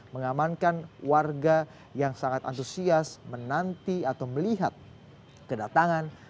mengamankan warga yang sangat antusias menanti atau melihat kedatangan